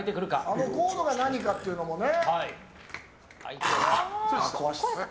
あのコードが何かっていうのもね。